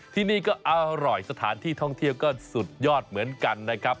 ที่นี่ก็อร่อยสถานที่ท่องเที่ยวก็สุดยอดเหมือนกันนะครับ